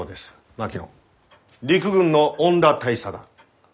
槙野陸軍の恩田大佐だ。